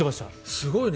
すごいね。